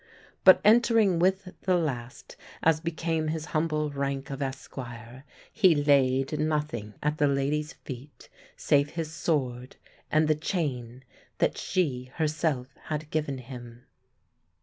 But entering with the last, as became his humble rank of esquire, he laid nothing at the lady's feet save his sword and the chain that she herself had given him.